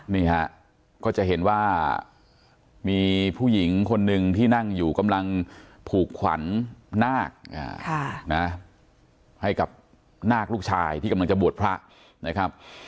นี่ฮะก็จะเห็นว่ามีผู้หญิงคนหนึ่งที่นั่งอยู่กำลังผูกขวัญนาคให้กับนาคลูกชายที่กำลังจะบวชพระนะครับ